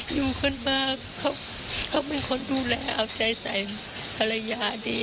อยู่ข้างบ้างเขาเป็นคนดูแลเอาใจใส่ฮัลยาดี